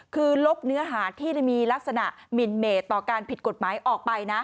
คือลบเนื้อหาที่มีลักษณะหมินเมตต่อการผิดกฎหมายออกไปนะ